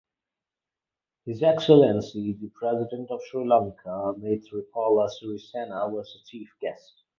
His Excellency The President of Sri Lanka Maithripala Sirisena was the chief guest.